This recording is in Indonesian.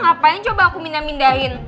ngapain coba aku pindah pindahin